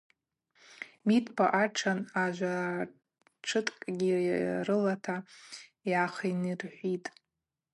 Мидпа атшан ажватшыкӏгьи рылата йгӏахъынйырхӏвытӏ.